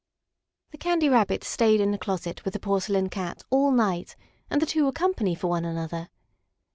The Candy Rabbit stayed in the closet with the Porcelain Cat all night, and the two were company for one another.